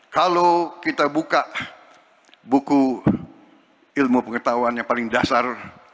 kalau kita buka buku ilmu pengetahuan yang paling dasar